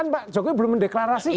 pak jokowi belum mendeklarasikan